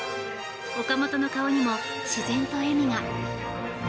岡本の顔にも自然と笑みが。